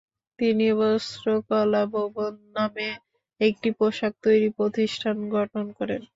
তিনি বস্ত্রকলা ভবন নামে একটি পোশাক তৈরি প্রতিষ্ঠান গঠন করেন।